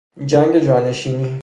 جنگ جانشینی